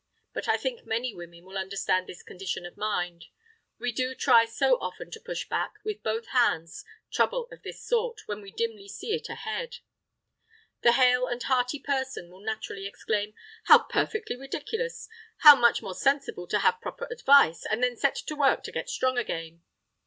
But I think many women will understand this condition of mind; we do try so often to push back, with both our hands, trouble of this sort, when we dimly see it ahead. The hale and hearty person will naturally exclaim: "How perfectly ridiculous! How much more sensible to have proper advice, and then set to work to get strong again!"